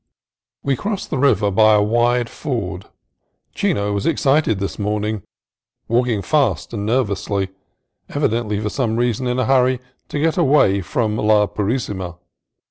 We crossed the river by a wide ford. Chino was excited this morning, walking fast and nervously, evidently for some reason in a hurry to get away from La Purisima.